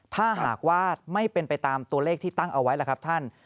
ถ้าหากว่าไม่เป็นไปตามตัวเลขที่ตั้งเอาไว้ล่ะครับท่าน